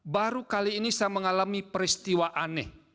baru kali ini saya mengalami peristiwa aneh